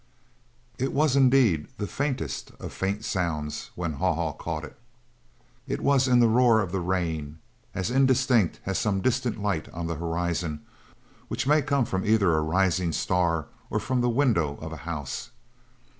It was, indeed, the faintest of faint sounds when Haw Haw caught it. It was, in the roar of the rain, as indistinct as some distant light on the horizon which may come either from a rising star or from the window of a house.